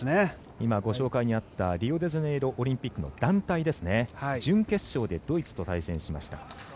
今、ご紹介にあったリオデジャネイロオリンピックの団体ですね準決勝でドイツと対戦しました。